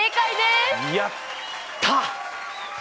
やった！